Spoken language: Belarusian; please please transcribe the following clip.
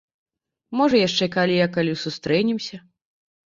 Можа, яшчэ калі а калі сустрэнемся.